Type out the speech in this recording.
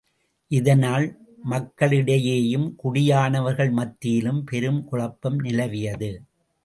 இதனால் மக்களிடையேயும், குடியானவர்கள் மத்தியிலும் பெரும் குழப்பம் நிலவியது.